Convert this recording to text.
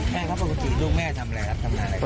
ครับปกติลูกแม่ทำอะไรครับทำงานอะไรครับ